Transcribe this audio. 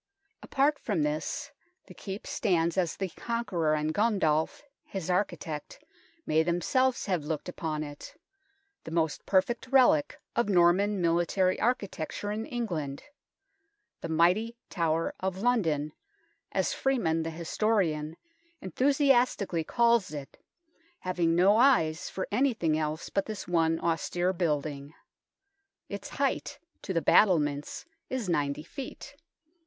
Apart from this, the Keep stands as the Conqueror and Gundulf, his architect, may themselves have looked upon it the most perfect relic of Norman military architecture in England ;" the mighty Tower of London," as Freeman, the historian, enthusiastically calls it, having no eyes for anything else but this one austere building. Its height to the battlements is 90 ft.